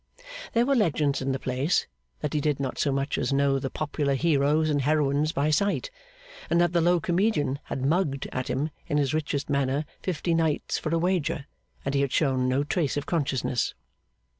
There were legends in the place that he did not so much as know the popular heroes and heroines by sight, and that the low comedian had 'mugged' at him in his richest manner fifty nights for a wager, and he had shown no trace of consciousness.